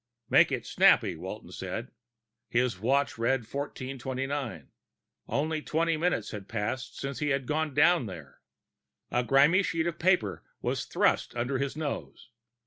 "Make it snappy," Walton said. His watch read 1429. Only twenty minutes had passed since he had gone down there. A grimy sheet of paper was thrust under his nose.